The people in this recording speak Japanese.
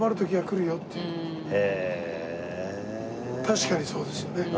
確かにそうですよね。